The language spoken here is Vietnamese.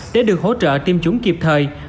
để được hỗ trợ tiêm chủng kịp thời